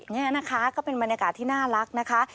นี่นะคะก็เป็นบรรยากาศที่น่ารักนะคะ